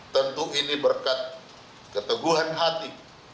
tentu ini berkat keteguhan hati